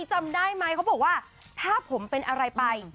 จำได้ไหมเขาบอกว่าถ้าผมเป็นอะไรไป